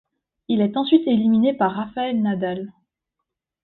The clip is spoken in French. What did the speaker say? Il est ensuite éliminé par Rafael Nadal.